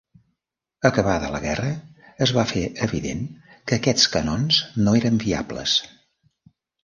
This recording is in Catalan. Acabada la guerra es va fer evident que aquests canons no eren viables.